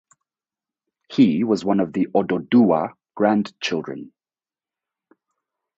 He was one of the Oduduwa grand children.